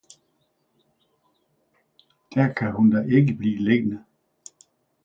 »Der kan hun da ikke blive liggende.